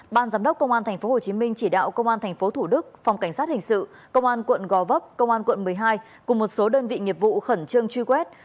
ban giám đốc công an tp hcm chỉ đạo công an tp thủ đức phòng cảnh sát hình sự công an quận gò vấp công an quận một mươi hai cùng một số đơn vị nghiệp vụ khẩn trương truy quét